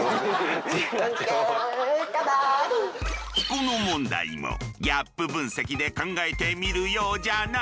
この問題もギャップ分析で考えてみるようじゃな！